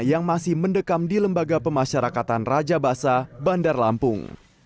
yang masih mendekam di lembaga pemasyarakatan rajabasa bandar lampung